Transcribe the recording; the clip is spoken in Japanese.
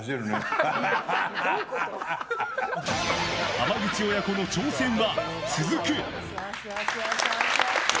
浜口親子の挑戦は続く。